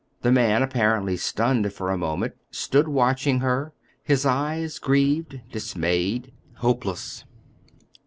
The man, apparently stunned for a moment, stood watching her, his eyes grieved, dismayed, hopeless.